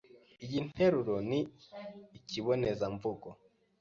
Iyi nteruro ni ikibonezamvugo.